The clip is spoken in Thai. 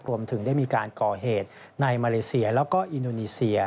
รวมถึงได้มีการก่อเหตุในมาเลเซียแล้วก็อินโดนีเซีย